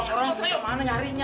orang kemana nyarinya